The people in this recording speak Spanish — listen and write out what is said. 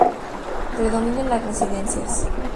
Predominan las residencias.